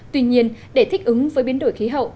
tuy nhiên để thích ứng với biến đổi khí hậu